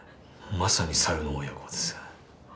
まさに猿の親子です。